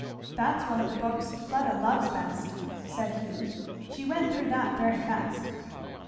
"That's one of the books Fleda loves best," said Hugh; "she went through that very fast."